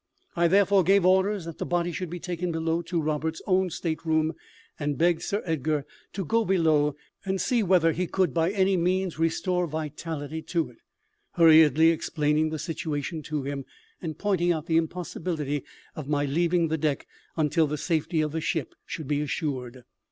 I therefore gave orders that the body should be taken below to Roberts's own state room, and begged Sir Edgar to go below and see whether he could by any means restore vitality to it; hurriedly explaining the situation to him, and pointing out the impossibility of my leaving the deck until the safety of the ship should be assured.